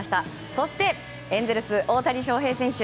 そして、エンゼルス大谷翔平選手